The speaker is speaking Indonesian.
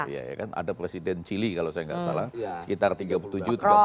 iya kan ada presiden chile kalau saya gak salah sekitar tiga puluh tujuh tiga puluh delapan gitu